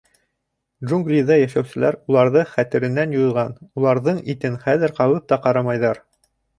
— Джунглиҙа йәшәүселәр уларҙы хәтеренән юйған, уларҙың итен хәҙер ҡабып та ҡарамайҙар.